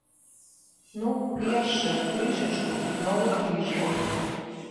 Ну і яшчэ крышачку з новых лічбаў.